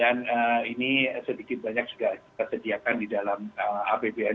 dan ini sedikit banyak juga kita sediakan di dalam apbn dua ribu dua puluh tiga